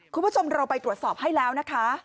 คุณผู้ชมเราไปตรวจสอบให้แล้วนะคะ